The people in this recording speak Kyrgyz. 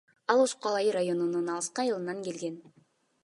Ал Ошко Алай районунун алыскы айылынан келген.